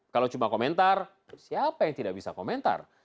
kalau cuma komentar siapa yang tidak bisa komentar